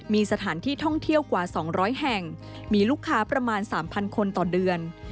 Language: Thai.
มีสถานที่ท่องเที่ยวกว่า๒๐๐แห่งมีลูกค้าประมาณ๓๐๐คนต่อเดือน